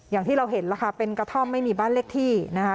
อย่างที่เราเห็นล่ะค่ะเป็นกระท่อมไม่มีบ้านเลขที่นะคะ